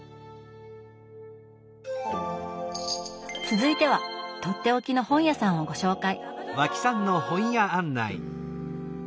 続いてはとっておきの本屋さんをご紹介。